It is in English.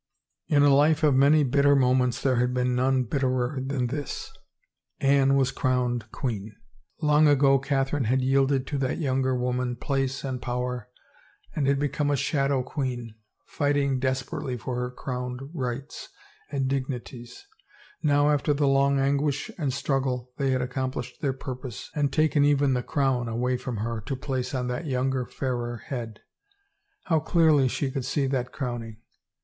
In a life of many bitter moments there had been none bitterer than this. ... Anne was crowned queen. Long ago Catherine had yielded to that younger woman place and power and had become a shadow queen, fighting desperately for her crowned rights and digni ties, now after the long anguish and struggle they had accomplished their purpose and taken even the crown away from her to place on that younger, fairer head. How clearly she could see that crowning.